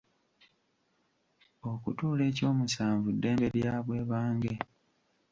Okutuula ekyomusanvu ddembe lya bwebange.